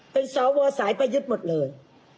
เป็นสวสายประยุทธ์หมดเลย